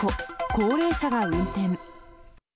高齢者が運転。